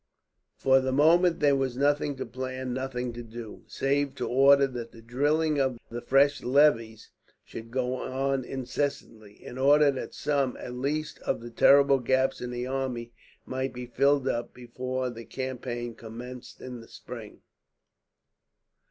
For the moment there was nothing to plan, nothing to do, save to order that the drilling of the fresh levies should go on incessantly; in order that some, at least, of the terrible gaps in the army might be filled up before the campaign commenced in the spring.